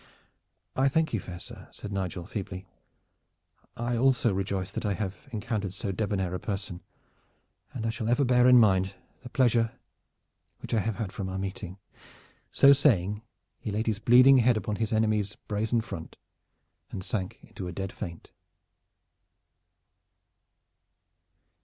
"I thank you, fair sir," said Nigel feebly. "I also rejoice that I have encountered so debonair a person, and I shall ever bear in mind the pleasure which I have had from our meeting." So saying, he laid his bleeding head upon his enemy's brazen front and sank into a dead faint.